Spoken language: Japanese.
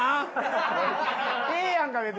ええやんか別に。